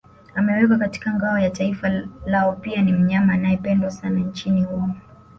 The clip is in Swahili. Amewekwa katika ngao ya taifa lao pia ni mnyama anayependwa sana nchini humo